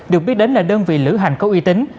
được biết đến là đơn vị lữ hành có uy tín